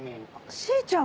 しーちゃん。